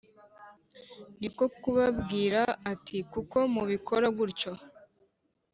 ni ko kubabwira ati kuki mubikora gutyo